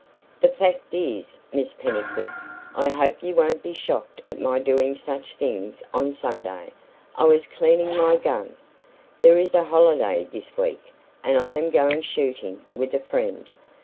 "The fact is, Miss Pennycuick I hope you won't be shocked at my doing such things on Sunday I was cleaning my gun. There is a holiday this week, and I am going shooting with a friend.